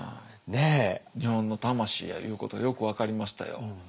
日本の魂やいうことがよく分かりましたよ。